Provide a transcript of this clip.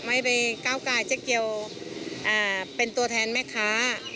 ไม่ไปก้าวกายเจ๊เกียวเป็นตัวแทนแม่ค้า